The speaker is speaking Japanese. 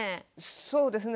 そうですね